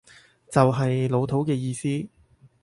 就係老土嘅意思